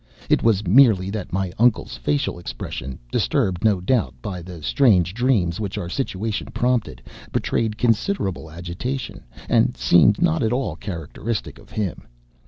It was merely that my uncle's facial expression, disturbed no doubt by the strange dreams which our situation prompted, betrayed considerable agitation, and seemed not at all characteristic of him.